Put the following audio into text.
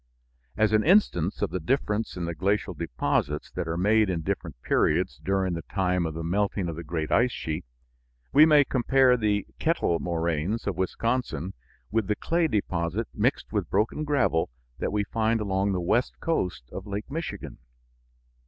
As an instance of the difference in the glacial deposits that are made in different periods during the time of the melting of the great ice sheet we may compare the Kettle Moraines of Wisconsin with the clay deposit mixed with broken gravel that we find along the west coast of Lake Michigan.